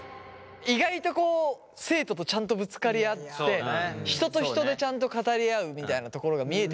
意外とこう生徒とちゃんとぶつかり合って人と人でちゃんと語り合うみたいなところが見えてきましたから。